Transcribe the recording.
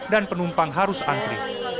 dan penumpang harus antri